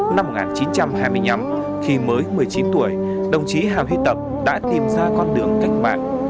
năm một nghìn chín trăm hai mươi năm khi mới một mươi chín tuổi đồng chí hà huy tập đã tìm ra con đường cách mạng